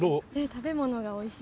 食べ物がおいしい。